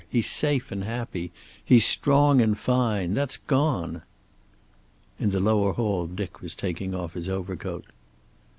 He's safe and happy. He's strong and fine. That's gone." In the lower hall Dick was taking off his overcoat.